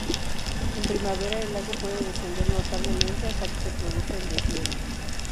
En primavera, el lago puede descender notablemente hasta que se produce el deshielo.